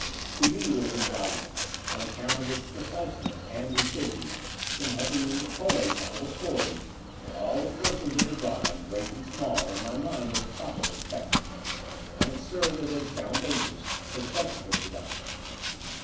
To me it was invaluable, on account of its preciseness and lucidity, in helping me to collate the whole story and all the persons of the drama, great and small, in my mind in proper perspective; and it served as a sound basis for subsequent deductions.